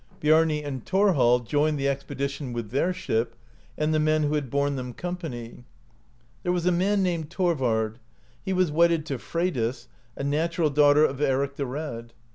Biarni and Thorhall joined the expedition with their ship, and the men who had borne them company. There was a man named Thorvard; he was wedded to Freydis (44) a natural daughter of Eric the Red.